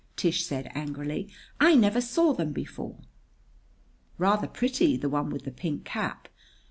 Tish said angrily. "I never saw them before." "Rather pretty, the one with the pink cap.